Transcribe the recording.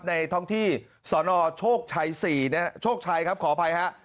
ท้องที่สนโชคชัย๔นะฮะโชคชัยครับขออภัยฮะ